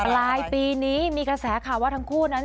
ปลายปีนี้มีกระแสข่าวว่าทั้งคู่นั้น